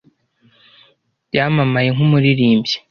Yamamaye nk'umuririmbyi.